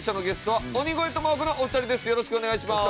よろしくお願いします。